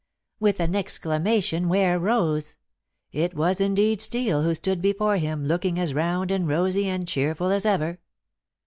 With an exclamation Ware rose. It was indeed Steel who stood before him looking as round and rosy and cheerful as ever.